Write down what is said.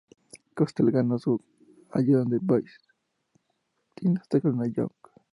Castle ganó con ayuda de "The Boys" quienes atacaron a Young.